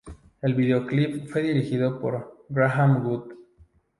El video clip fue dirigido por "Graham Wood".